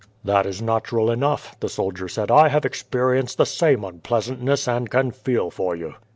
"That is natural enough," the soldier said. "I have experienced the same unpleasantness, and can feel for you."